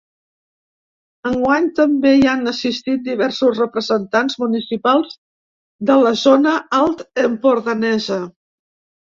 Enguany també hi han assistit diversos representants municipals de la zona alt-empordanesa.